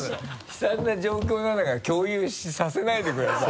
悲惨な状況なんだから共有させないでください。